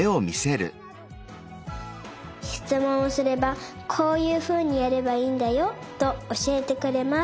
しつもんをすればこういうふうにやればいいんだよとおしえてくれます。